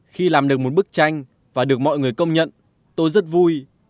khi làm được một bức tranh và được mọi người công nhận tôi rất vui